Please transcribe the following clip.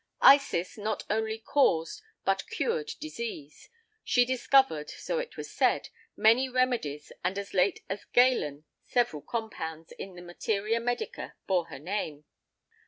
Isis not only caused, but cured disease; she discovered—so it was said—many remedies and as late as Galen several compounds in the materia medica bore her name.